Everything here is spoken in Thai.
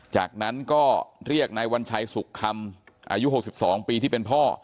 จากนั้นก็เรียกนายวัญชัยสุขคำอายุ๖๒ปีที่เป็นพ่อ